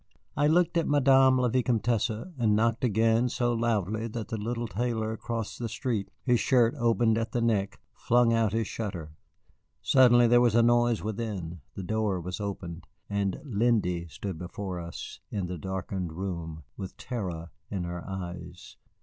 I looked at Madame la Vicomtesse, and knocked again so loudly that the little tailor across the street, his shirt opened at the neck, flung out his shutter. Suddenly there was a noise within, the door was opened, and Lindy stood before us, in the darkened room, with terror in her eyes.